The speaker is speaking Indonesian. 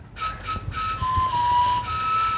jadi calib behri